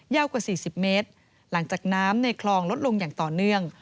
กว่า๔๐เมตรหลังจากน้ำในคลองลดลงอย่างต่อเนื่อง